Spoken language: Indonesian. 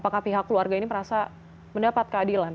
keluarga ini merasa mendapat keadilan